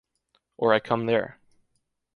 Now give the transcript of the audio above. Or I come there.